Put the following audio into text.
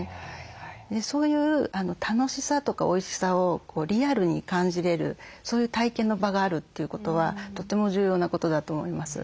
そういう楽しさとかおいしさをリアルに感じれるそういう体験の場があるということはとても重要なことだと思います。